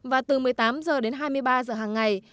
và từ một mươi tám h đến hai mươi ba h hàng ngày